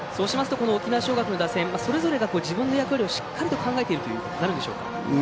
この沖縄尚学の打線それぞれが自分の役割をしっかりと考えているということになるでしょうか。